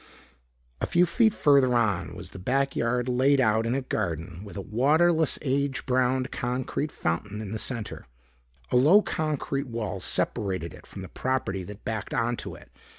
A few feet further on was the backyard laid out in a garden with a waterless age browned concrete fountain in the center. A low concrete wall separated it from the property that backed onto it.